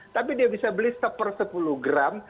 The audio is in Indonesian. tapi dia bisa beli se per sepuluh gram